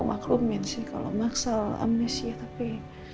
aku maklumin sih kalau maksal amnesia tapi